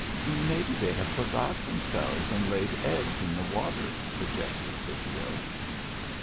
" Maybe they have forgot themselves and laid eggs in the water,*' suggested Scipio.